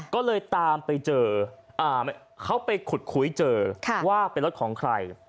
ก็เลยตามไปเจอเขาไปขุดคุยเจอว่าเป็นรถของใคร